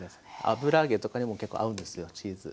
油揚げとかにも結構合うんですよチーズ。